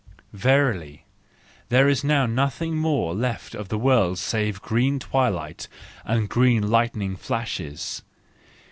Verily, there is now nothing more left of the world save green twilight and green lightning flashes.